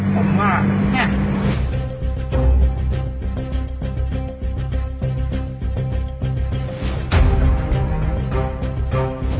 ผมว่าเนี่ย